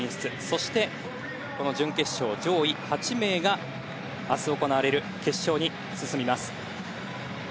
そして、準決勝上位８名が明日行われる決勝に進みます。